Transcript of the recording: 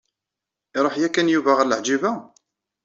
Iruḥ yakan Yuba ɣer Leɛǧiba?